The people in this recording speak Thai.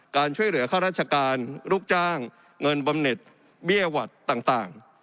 การช่วยเหลือข้าราชการลูกจ้างเงินบำเน็ตเบี้ยหวัดต่าง